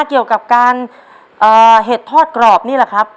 เกี่ยวกับการเห็ดทอดกรอบนี่แหละครับ